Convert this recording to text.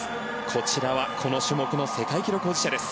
こちらはこの種目の世界記録保持者です。